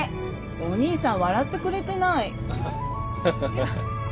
お兄さん笑ってくれてない。ハハハ。